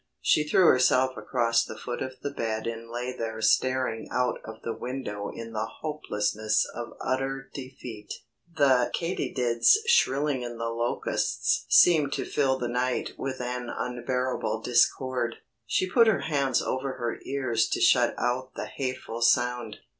She threw herself across the foot of the bed and lay there staring out of the window in the hopelessness of utter defeat. The katydids shrilling in the Locusts seemed to fill the night with an unbearable discord. She put her hands over her ears to shut out the hateful sound.